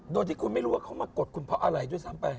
โดยที่คุณไม่รู้ว่าเขามากดคุณเพราะอะไรด้วยซ้ำไป